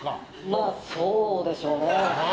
まあ、そうでしょうね。